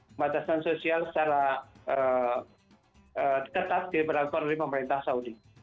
pembatasan sosial secara tetap diperlakukan oleh pemerintah saudi